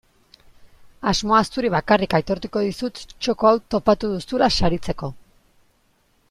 Asmoa zuri bakarrik aitortuko dizut txoko hau topatu duzula saritzeko.